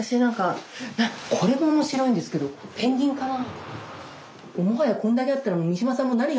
これも面白いんですけどペンギンかな？